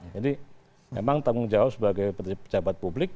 jadi memang tanggung jawab sebagai pejabat publik